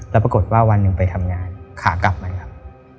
แล้วปรากฏว่าวันหนึ่งไปทำงานขากลับมาครับ